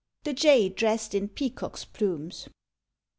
THE JAY DRESSED IN PEACOCK'S PLUMES.